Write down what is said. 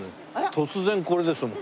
突然これですもん。